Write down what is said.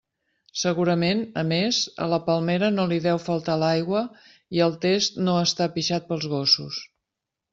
Segurament, a més, a la palmera no li deu faltar l'aigua i el test no està pixat pels gossos.